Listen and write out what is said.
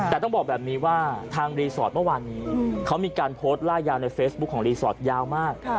แต่ต้องบอกแบบนี้ว่าทางรีสอร์ทเมื่อวานนี้เขามีการโพสต์ล่ายาวในเฟซบุ๊คของรีสอร์ทยาวมาก